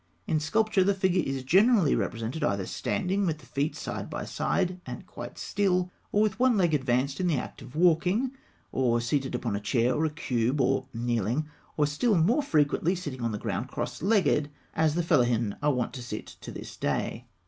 In sculpture, the figure is generally represented either standing with the feet side by side and quite still, or with one leg advanced in the act of walking; or seated upon a chair or a cube; or kneeling; or, still more frequently, sitting on the ground cross legged, as the fellahin are wont to sit to this day.